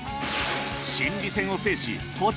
心理戦を制しポチ